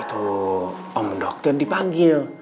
itu om dokter dipanggil